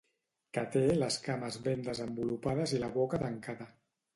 Que té les cames ben desenvolupades i la boca tancada.